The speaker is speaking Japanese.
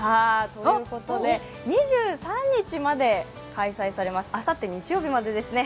２３日まで開催されます、あさって日曜日までですね。